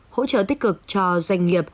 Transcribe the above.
hỗ trợ tích cực cho doanh nghiệp